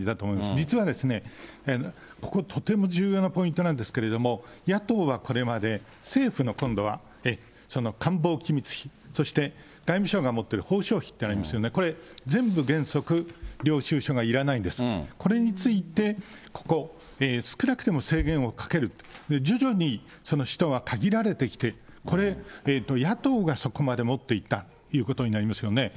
実はここ、とても重要なポイントなんですけれども、野党はこれまで政府の今度は、その官房機密費、そして外務省が持っている費ってありますね、これ、全部原則、領収書がいらないんです、これについてここ、少なくても制限をかける、徐々にその使途が限られてきて、これ、野党がそこまでもっていったということになりますよね。